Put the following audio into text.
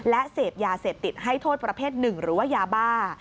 และเสพยาเสพติดให้โทษประเภทหนึ่งหรือว่ายาบ้า